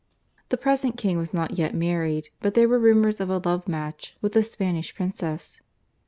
The present King was not yet married, but there were rumours of a love match with a Spanish princess.